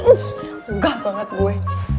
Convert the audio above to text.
ugah banget gue